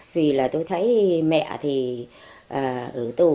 vì là tôi thấy mẹ thì ở tù